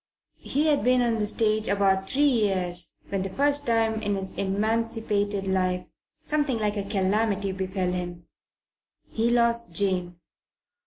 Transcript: He had been on the stage about three years when for the first time in his emancipated life something like a calamity befell him. He lost Jane.